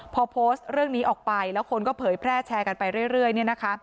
พอโพสต์เรื่องนี้ออกไปแล้วคนก็เผยแพร่แชร์กันไปเรื่อยเนี่ยนะคะ